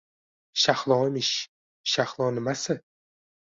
Shahlo emish… Shahlo nimasi?